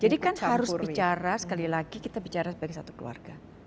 jadi kan harus bicara sekali lagi kita bicara sebagai satu keluarga